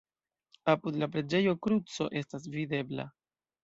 Apud la preĝejo kruco estas videbla.